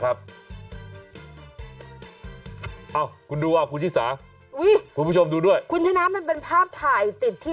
เอ้าคุณดูอ่ะคุณชิสาอุ้ยคุณผู้ชมดูด้วยคุณชนะมันเป็นภาพถ่ายติดที่